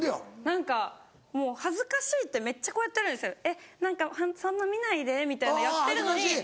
何か「恥ずかしい」ってめっちゃこうやってるんです「そんな見ないで」みたいにやってるのに自ら。